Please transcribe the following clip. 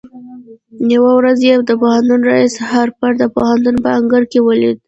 يوه ورځ يې د پوهنتون رئيس هارپر د پوهنتون په انګړ کې وليد.